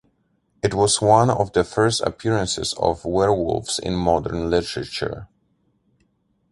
It was one of the first appearances of werewolves in modern literature.